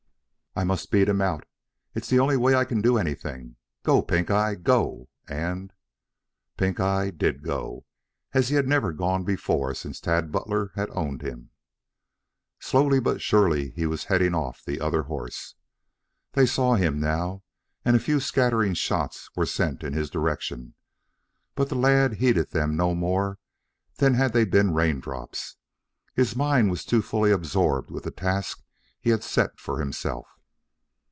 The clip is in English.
"I must beat him out. It's the only way I can do anything. Go, Pink eye! Go!" And Pink eye did go as he had never gone before since Tad Butler had owned him. Slowly but surely he was heading off the other horse. They saw him now and a few scattering shots were sent in his direction, but the lad heeded them no more than had they been rain drops. His mind was too fully absorbed with the task he had set for himself.